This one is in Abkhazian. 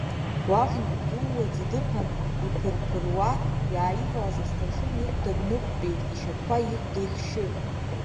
Уахьынтәи дууаӡа дыԥан, иԥырԥыруа иааивалаз асҭаршын ихәда днықәтәеит, ишьапқәа ихәда ихшьы.